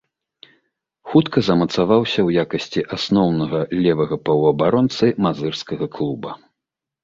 Хутка замацаваўся ў якасці асноўнага левага паўабаронцы мазырскага клуба.